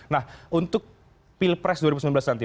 nah untuk pilpres dua ribu sembilan belas nanti